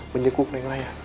menyekuk neng raya